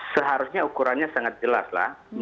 seharusnya ukurannya sangat jelas lah